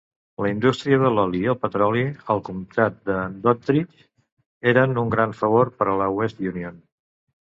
La indústria de l'oli i el petroli al comtat de Doddridge eren un gran favor per a la West Union.